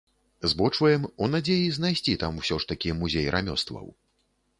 Збочваем у надзеі знайсці там усё ж такі музей рамёстваў.